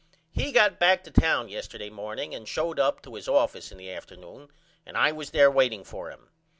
He got back to town yesterday morning and showed up to his office in the afternoon and I was there waiting for him.